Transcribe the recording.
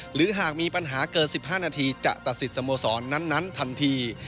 หรือหากมีปัญหาเกิน๑๕นาทีจะตัดสินสโมสรนั้นทันที